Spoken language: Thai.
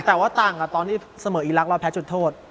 แต่ว่าต่างกับตอนที่เสมออีรักษ์เราแพ้จุดโทษ